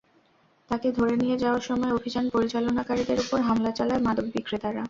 তাঁকে ধরে নিয়ে যাওয়ার সময় অভিযান পরিচালনাকারীদের ওপর হামলা চালায় মাদক বিক্রেতারা।